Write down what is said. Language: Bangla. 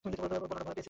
বলো যে, ভয় পেয়েছিলে।